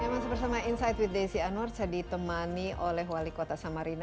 masih bersama insight with desi anwar saya ditemani oleh wali kota samarinda